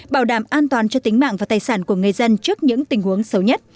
bảo đảm an toàn cho tính mạng và tài sản của người dân trước những tình huống xấu nhất